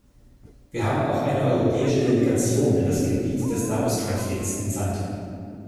Wir haben auch eine europäische Delegation in das Gebiet des Nahostkonflikts entsandt.